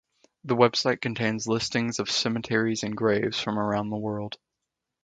The website contains listings of cemeteries and graves from around the world.